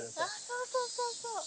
そうそうそうそう。